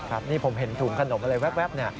ครับนี่ผมเห็นถุงขนมอะไรแว๊บเนี่ย